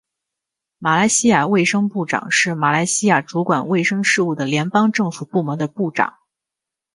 马来西亚卫生部长是马来西亚主管卫生事务的联邦政府部门的部长。